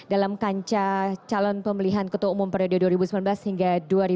dalam kanca calon pemilihan ketua umum periode dua ribu sembilan belas hingga dua ribu dua puluh